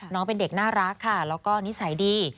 น้องเป็นเด็กน่ารักค่ะแล้วก็นิสัยดี